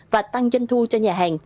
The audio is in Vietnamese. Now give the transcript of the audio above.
và tăng doanh thu cho nhà hàng